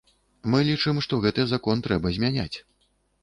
Мы лічым, што гэты закон трэба змяняць.